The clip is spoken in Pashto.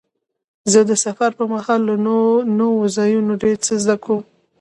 زه د سفر پر مهال له نوو ځایونو ډېر څه زده کوم.